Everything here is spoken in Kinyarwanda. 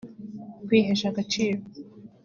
kwihesha agaciro